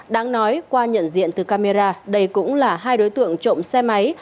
đáng nói qua nhận diện từ camera đây cũng là hai đối tượng trộm xe máy